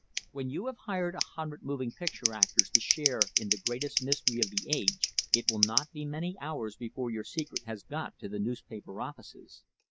When you have hired a hundred moving picture actors to share in the greatest mystery of the age, it will not be many hours before your secret has got to the newspaper offices.